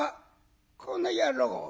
「この野郎。